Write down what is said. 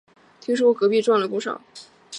听说隔壁赚了不少